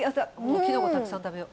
きのこたくさん食べよう